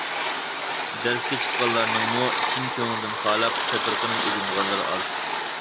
دەرسكە چىققانلارنىڭمۇ چىن كۆڭلىدىن خالاپ قېتىرقىنىپ ئۆگىنىدىغانلىرى ئاز.